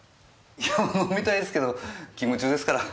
いやぁ飲みたいですけど勤務中ですから。